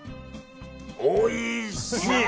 おいしい！